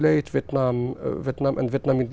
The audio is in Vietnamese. và để phát triển tình trạng này